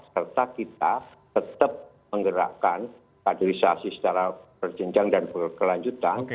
serta kita tetap menggerakkan kaderisasi secara berjenjang dan berkelanjutan